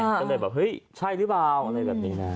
ก็เลยแบบเฮ้ยใช่หรือเปล่าอะไรแบบนี้นะ